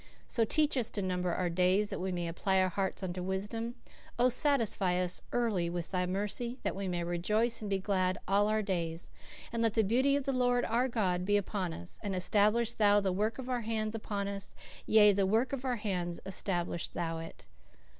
So teach us to number our days that we may apply our hearts unto wisdom.... Oh, satisfy us early with thy mercy; that we may rejoice and be glad all our days.... And let the beauty of the Lord our God be upon us; and establish thou the work of our hands upon us; yea, the work of our hands establish thou it."